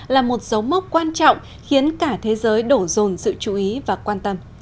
là một dấu mốc quan trọng khiến cả thế giới đổ rồn sự chú ý và quan tâm